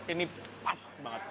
ini pas banget